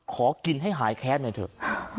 ขอกินให้หายแค้นหน่อยเถอะ